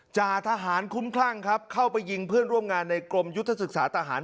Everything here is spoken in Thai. จาทหารคุ้มคลั่งครับเข้าไปยิงเพื่อนร่วมงานในกรมยุทธศึกษาทหาร